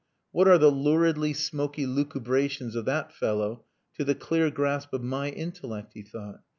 "What are the luridly smoky lucubrations of that fellow to the clear grasp of my intellect?" he thought.